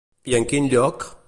I en quin lloc?